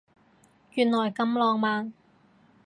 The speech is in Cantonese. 原來咁浪漫